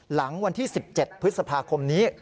หลังวันที่๑๗พฤษภาคมนี้